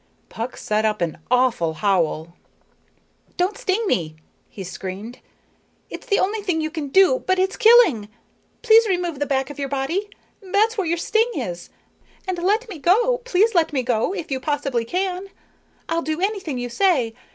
Puck set up an awful howl. "Don't sting me," he screamed. "It's the only thing you can do, but it's killing. Please remove the back of your body. That's where your sting is. And let me go, please let me go, if you possibly can. I'll do anything you say.